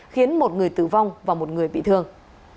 khiến một người tử vong và một người bị thương